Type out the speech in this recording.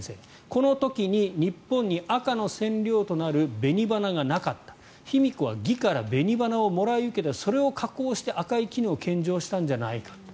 この時に日本に赤の染料となるベニバナがなかった卑弥呼は魏からベニバナをもらい受けてそれを加工して、赤い絹を献上したんじゃないかと。